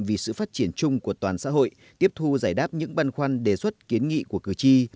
vì sự phát triển chung của toàn xã hội tiếp thu giải đáp những băn khoăn đề xuất kiến nghị của cử tri